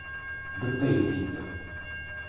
The Painting